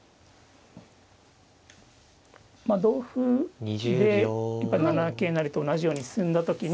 まあ同歩でやっぱり７七桂成と同じように進んだ時に。